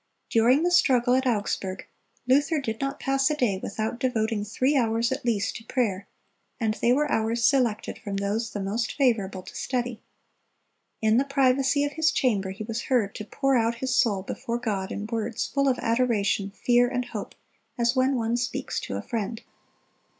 During the struggle at Augsburg, Luther "did not pass a day without devoting three hours at least to prayer, and they were hours selected from those the most favorable to study." In the privacy of his chamber he was heard to pour out his soul before God in words "full of adoration, fear, and hope, as when one speaks to a friend."